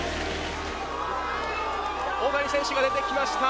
大谷選手が出てきました。